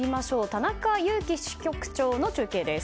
田中雄気支局長の中継です。